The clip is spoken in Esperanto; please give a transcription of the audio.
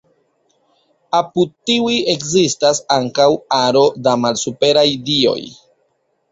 Apud tiuj ekzistas ankaŭ aro da malsuperaj dioj.